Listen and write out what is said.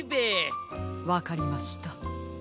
わかりました。